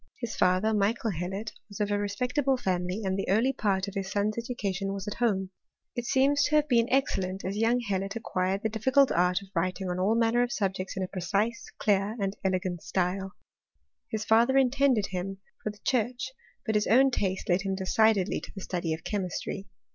His father, Michael Hd was of a respectable family, and the early part of' son's education was at home ; it seems to have b excellent, as young Hellot acquired the difficult of writing on all manner of subjects in a precise, di and elegant style. His father intended him for church ; but his own taste led him decidedly 16*' study of chemistry.